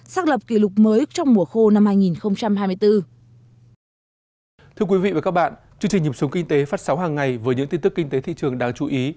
sắc lập kỷ lục mới